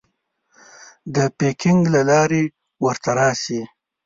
د پیکنګ له لارې ورته راسې.